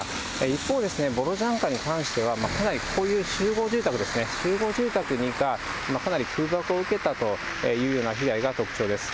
一方、ボロジャンカに関しては、かなりこういう集合住宅ですね、集合住宅にかなり空爆を受けたというような被害が特徴です。